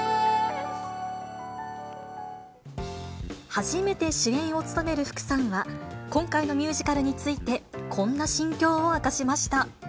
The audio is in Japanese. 初めて主演を務める福さんは、今回のミュージカルについて、こんな心境を明かしました。